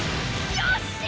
よし！